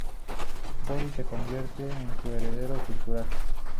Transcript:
Borís se convierte en su heredero cultural.